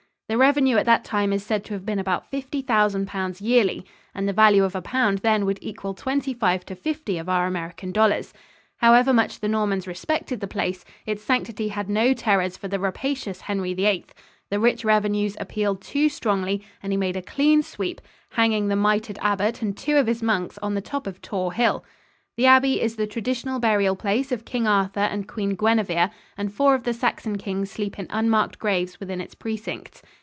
The revenue at that time is said to have been about fifty thousand pounds yearly and the value of a pound then would equal twenty five to fifty of our American dollars. However much the Normans respected the place, its sanctity had no terrors for the rapacious Henry VIII. The rich revenues appealed too strongly and he made a clean sweep, hanging the mitered abbot and two of his monks on the top of Tor Hill. The Abbey is the traditional burial place of King Arthur and Queen Guinevere, and four of the Saxon kings sleep in unmarked graves within its precincts.